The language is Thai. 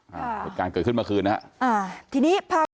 เป็นการเกิดขึ้นเมื่อคืนนะฮะ